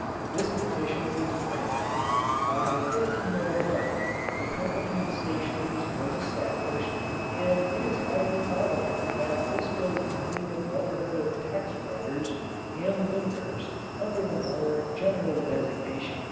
This petition was granted. By 1501 the Company of Stationers was established, and it is highly probable that this was only the Brotherhood of Text writers and Limners under the more general designation.